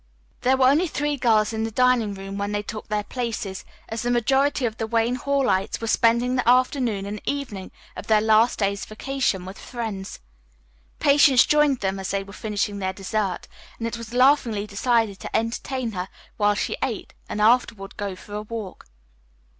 There were only three girls in the dining room when they took their places, as the majority of the "Wayne Hallites" were spending the afternoon and evening of their last day's vacation with friends. Patience joined them as they were finishing their dessert, and it was laughingly decided to entertain her while she ate, and afterward go for a walk.